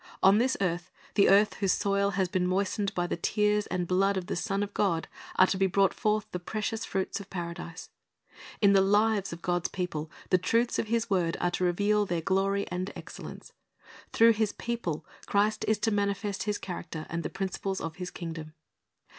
On this earth, the earth whose soil has been moistened by the tears and blood of the Son of God, are to be brought forth the precious fruits of Paradise. In the lives of God's people the truths of His word are to reveal their glory and excellence. Through His people Christ is to manifest His character and the principles of His kingdom.